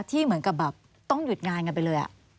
ที่เหมือนกับแบบต้องหยุดงานกันไปเลย